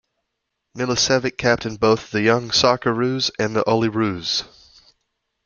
Milicevic captained both the Young Socceroos and Olyroos.